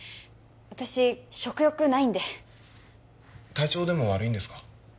私食欲ないんで体調でも悪いんですか？